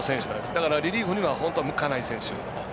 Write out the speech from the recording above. だから、リリーフには本当は向かない選手。